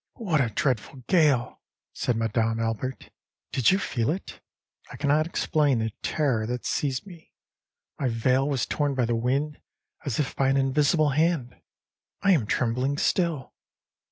âWhat a dreadful gale!â said Madame Albert. âDid you feel it? I cannot explain the terror that seized me; my veil was torn by the wind as if by an invisible hand; I am trembling still.